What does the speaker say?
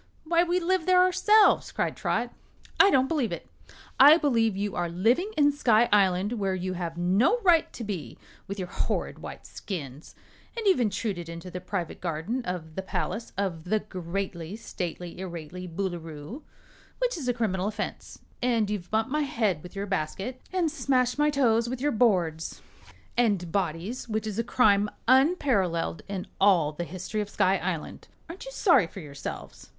"Why, we live there ourselves," cried Trot. "I don't believe it. I believe you are living in Sky Island, where you have no right to be, with your horrid white skins. And you've intruded into the private garden of the palace of the Greatly Stately Irately Boolooroo, which is a criminal offense; and you've bumped my head with your basket and smashed my toes with your boards and bodies, which is a crime unparalleled in all the history of Sky Island! Aren't you sorry for yourselves?"